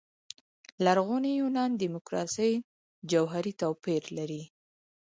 لرغوني یونان دیموکراسي جوهري توپير لري.